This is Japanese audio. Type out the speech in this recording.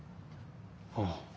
ああ。